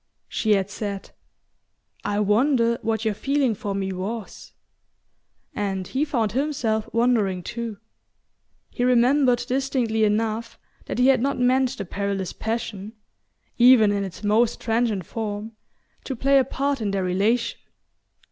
She had said: "I wonder what your feeling for me was?" and he found himself wondering too...He remembered distinctly enough that he had not meant the perilous passion even in its most transient form to play a part in their relation.